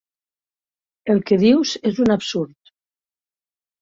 El que dius és un absurd.